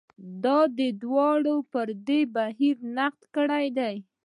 دا دواړو پر دې بهیر نقد کړی دی.